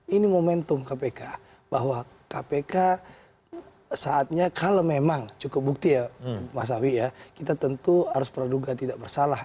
ini momentum kpk bahwa kpk saatnya kalau memang cukup bukti ya mas awi ya kita tentu harus peraduga tidak bersalah